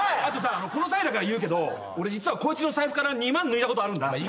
あとさこの際だから言うけど俺実はこいつの財布から２万抜いたことあるんだ。